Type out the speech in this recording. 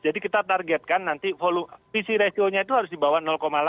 jadi kita targetkan nanti vc ratio nya itu harus di bawah delapan